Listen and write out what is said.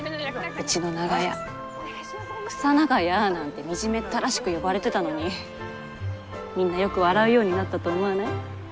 うちの長屋「クサ長屋」なんて惨めったらしく呼ばれてたのにみんなよく笑うようになったと思わない？